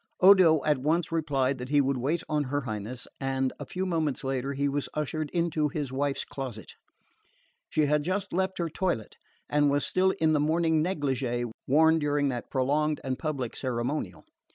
Odo at once replied that he would wait on her Highness; and a few moments later he was ushered into his wife's closet. She had just left her toilet, and was still in the morning negligee worn during that prolonged and public ceremonial.